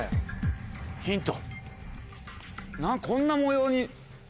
ヒント。